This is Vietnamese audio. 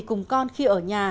cùng con khi ở nhà